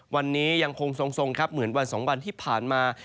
วันนี้ยังคงทรงครับเหมือนวัน๒วันที่ผ่านมา